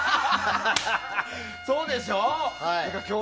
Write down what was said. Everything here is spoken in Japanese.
そうでしょ。